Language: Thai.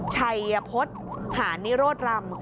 ชัยพฤษหานิโรธรำ